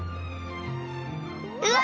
うわ！